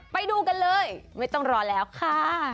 ไปดูกันเลยไม่ต้องรอแล้วค่ะ